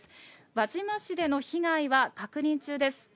輪島市での被害は確認中です。